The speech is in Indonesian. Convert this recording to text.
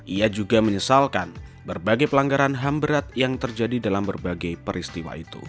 ia juga menyesalkan berbagai pelanggaran ham berat yang terjadi dalam berbagai peristiwa itu